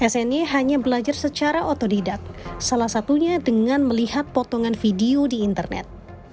sni hanya belajar secara otodidak salah satunya dengan melihat potongan video di internet